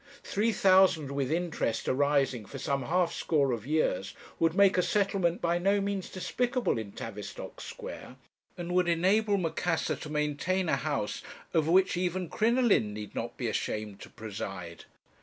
£3,000 with interest arising for some half score of years would make a settlement by no means despicable in Tavistock Square, and would enable Macassar to maintain a house over which even Crinoline need not be ashamed to preside.